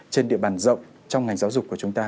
trên địa bàn rộng trong ngành giáo dục của chúng ta